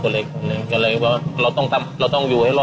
ที่เสียครับใช่ไหมครับใช่ไหมครับใช่ไหมครับใช่ไหมครับใช่ไหมครับใช่ไหมครับ